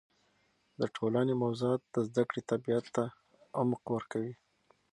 د ټولنې موضوعات د زده کړې طبیعت ته عمق ورکوي.